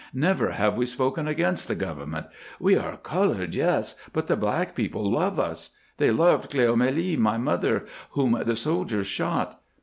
Never have we spoken against the government. We are 'colored,' yes, but the black people love us. They loved Cleomélie, my mother, whom the soldiers shot.